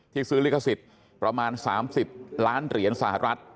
ซื้อลิขสิทธิ์ประมาณ๓๐ล้านเหรียญสหรัฐ